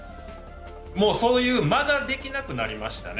もうそういう間ができなくなりましたよね。